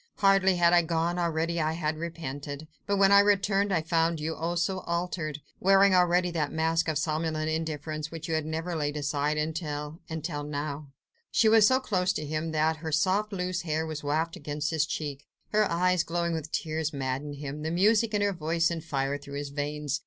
"Hardly had I gone, already I had repented. But when I returned, I found you, oh, so altered! wearing already that mask of somnolent indifference which you have never laid aside until ... until now." She was so close to him that her soft, loose hair was wafted against his cheek; her eyes, glowing with tears, maddened him, the music in her voice sent fire through his veins.